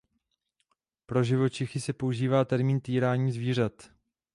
Pro živočichy se používá termín týrání zvířat.